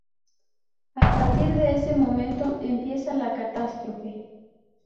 A partir de ese momento, empieza la catástrofe.